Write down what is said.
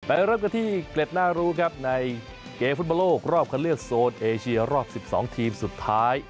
เริ่มกันที่เกล็ดน่ารู้ครับในเกมฟุตบอลโลกรอบคันเลือกโซนเอเชียรอบ๑๒ทีมสุดท้าย